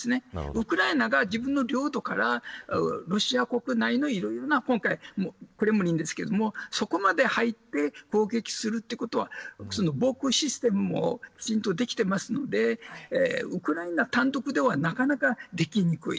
ウクライナが自分の領土からロシア国内のいろいろな今回はクレムリンですがそこまで入って攻撃するということは防空システムもきちんとできているのでウクライナ単独ではなかなかできにくい。